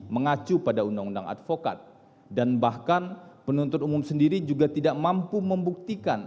mengacu pada undang undang advokat dan bahkan penuntut umum sendiri juga tidak mampu membuktikan